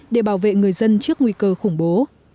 để bảo vệ người dân trước nguy cơ khủng bố